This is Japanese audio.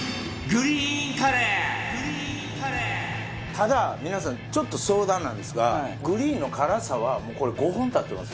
ただ皆さんちょっと相談なんですがグリーンの辛さはもうこれ５本立ってます。